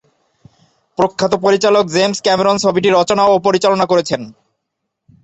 প্রখ্যাত পরিচালক James Cameron ছবিটি রচনা ও পরিচালনা করেছেন।